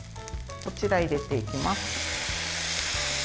こちら入れていきます。